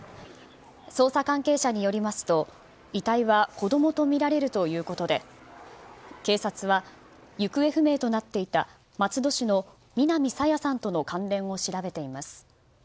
捜査関係者によりますと、遺体は子供とみられるということで警察は行方不明となっていた松戸市の南朝芽さんとの関連を調べています。